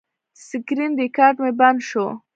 د سکرین ریکارډ مې بند شو.